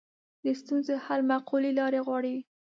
د ستونزو حل معقولې لارې غواړي